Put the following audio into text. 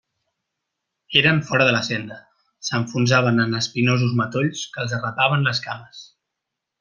Eren fora de la senda; s'enfonsaven en espinosos matolls que els arrapaven les cames.